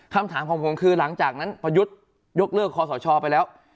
คำถามของผมคือหลังจากนั้นประยุทธ์ยกเลิกคอสชไปแล้ว